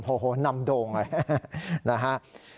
โอ้โหนำโด่งเลยนะฮะ